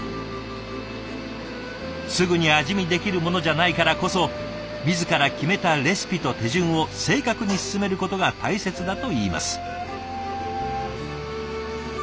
すぐに味見できるものじゃないからこそ自ら決めたレシピと手順を正確に進めることが大切だといいます。